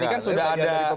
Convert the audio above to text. ini kan sudah ada